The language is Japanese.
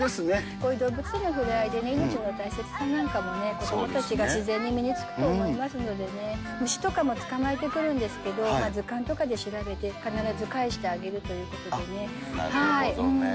こういう動物との触れ合いでね、命の大切さなんかも、子どもたちが自然に身につくと思いますのでね、虫とかも捕まえてくるんですけど、図鑑とかで調べて、必ず返なるほどね。